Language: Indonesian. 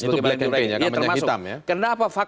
itu black campaign ya